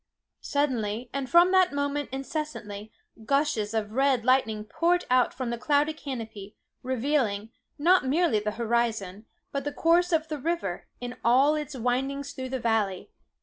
Suddenly, and from that moment incessantly, gushes of red lightning poured out from the cloudy canopy, revealing, not merely the horizon, but the course of the river, in all its windings through the valley.